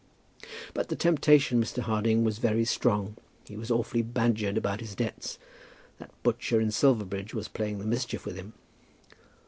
'" "But the temptation, Mr. Harding, was very strong. He was awfully badgered about his debts. That butcher in Silverbridge was playing the mischief with him."